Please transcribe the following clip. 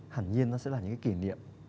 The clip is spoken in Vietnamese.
hẳn nhiên nó sẽ là những cái kỉ niệm